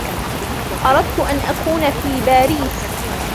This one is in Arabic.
أردت أن أكون في باريس.